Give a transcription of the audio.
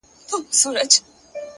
پرمختګ جرئت غواړي.